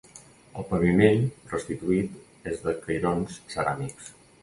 El paviment, restituït, és de cairons ceràmics.